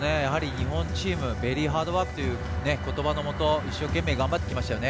日本チームベリーハードワークということばのもと一生懸命頑張ってきましたよね。